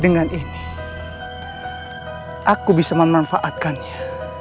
dengan ini aku bisa memanfaatkannya